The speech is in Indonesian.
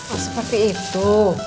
oh seperti itu